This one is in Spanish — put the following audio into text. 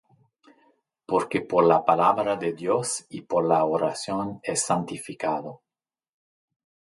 Porque por la palabra de Dios y por la oración es santificado.